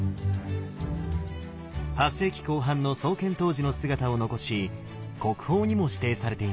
８世紀後半の創建当時の姿を残し国宝にも指定されています。